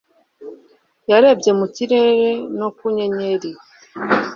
Yarebye mu kirere no ku nyenyeri.